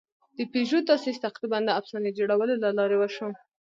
د پيژو تاسیس تقریباً د افسانې جوړولو له لارې وشو.